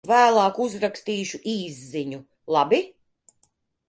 Vēlāk uzrakstīšu īsziņu, labi?